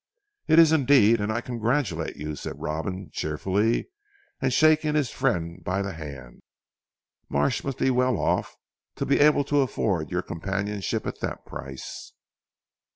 "It is indeed, and I congratulate you," replied Robin cheerfully and shaking his friend by the hand. "Marsh must be well off to be able to afford your companionship at that price."